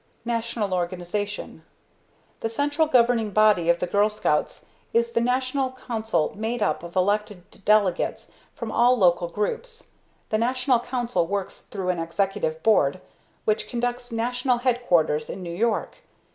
National Organization. The central governing body of the Girl Scouts is the National Council made up of elected delegates from all local groups. The National Council works through an Executive Board, which conducts National Headquarters in New York.